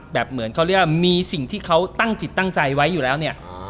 เหมือนเขาเรียกว่ามีสิ่งที่เขาตั้งจิตตั้งใจไว้อยู่แล้วเนี่ย